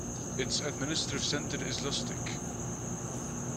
Its administrative center is Lutsk.